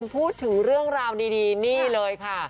พูดถึงเรื่องราวดีนี่เลยค่ะ